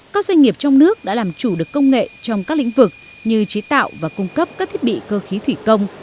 các doanh nghiệp trong nước đã làm chủ được công nghệ trong các lĩnh vực như chế tạo và cung cấp các thiết bị cơ khí thủy công